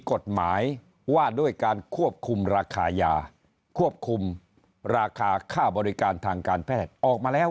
กฎหมายว่าด้วยการควบคุมราคายาควบคุมราคาค่าบริการทางการแพทย์ออกมาแล้ว